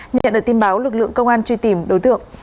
nhận được tin báo lực lượng công an truy tìm đối tượng